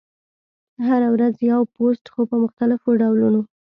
هره ورځ یو پوسټ، خو په مختلفو ډولونو: